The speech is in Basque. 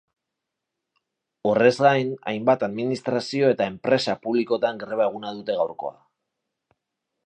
Horrez gain, hainbat administrazio eta enpresa publikotan greba eguna dute gaurkoa.